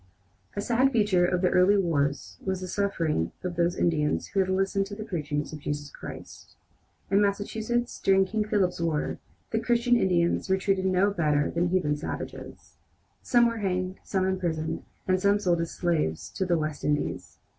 A sad feature of the early wars was the sufferings of those Indians who had listened to the preaching of Jesus Christ. In Massachusetts, during King Philip's war, the Christian Indians were treated no better than the "heathen savages." Some were hanged, some imprisoned, and some sold as slaves to the West Indies.